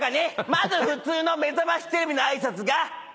まず普通の『めざましテレビ』の挨拶が。